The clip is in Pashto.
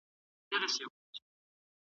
هر نوی کتاب د پوهي يوه نوې نړۍ پرانيزي.